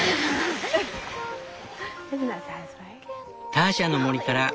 「ターシャの森から」。